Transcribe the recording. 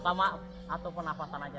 sama atau penapasan aja